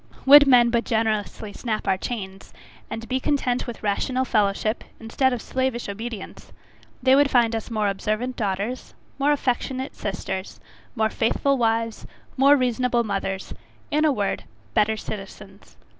Would men but generously snap our chains, and be content with rational fellowship, instead of slavish obedience, they would find us more observant daughters, more affectionate sisters, more faithful wives, more reasonable mothers in a word, better citizens.